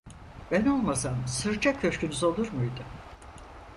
Ben olmasam sırça köşkünüz olur muydu?